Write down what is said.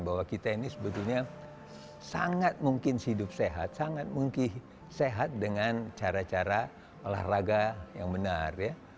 bahwa kita ini sebetulnya sangat mungkin hidup sehat sangat mungkin sehat dengan cara cara olahraga yang benar ya